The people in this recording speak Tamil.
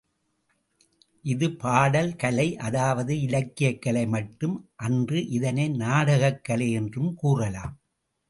இது பாடல் கலை அதாவது இலக்கியக் கலை மட்டும் அன்று இதனை நாடகக் கலை என்றும் கூறலாம்.